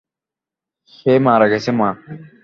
সে মারা গেছে, মা?